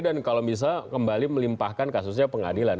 dan kalau bisa kembali melimpahkan kasusnya pengadilan